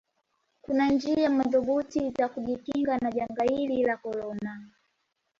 kunanjia madhubuti za kujikinga na janga hili la korona